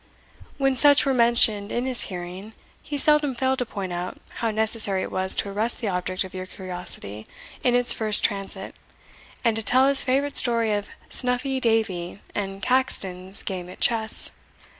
When such were mentioned in his hearing, he seldom failed to point out how necessary it was to arrest the object of your curiosity in its first transit, and to tell his favourite story of Snuffy Davie and Caxton's Game at Chess.